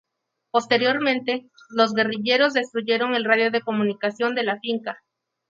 Posteriormente, los guerrilleros destruyeron el radio de comunicación de la finca.